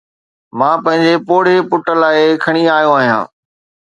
مان پنهنجي پوڙهي پٽ لاءِ کڻي آيو آهيان